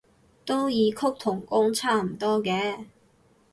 都異曲同工差唔多嘅